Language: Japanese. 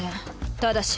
ただし。